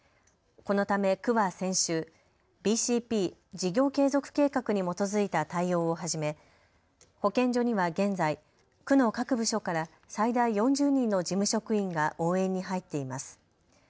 このため区は先週、ＢＣＰ・事業継続計画に基づいた対応を始め保健所には現在、区の各部署から最大４０人の事務職員が応援に入っています。